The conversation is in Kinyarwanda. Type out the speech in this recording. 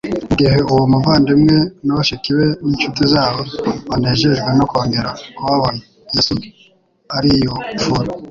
Mu gihe uwo muvandimwe na bashiki be n'incuti zabo banejejwe no kongera kubonana, Yesu ariyufura.